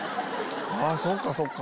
そっかそっか！